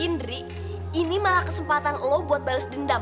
indri ini malah kesempatan lo buat bales dendam